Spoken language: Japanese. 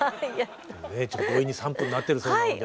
強引に３分になってるそうなので。